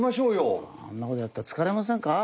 そんな事やったら疲れませんか？